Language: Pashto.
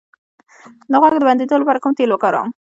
د غوږ د بندیدو لپاره کوم تېل وکاروم؟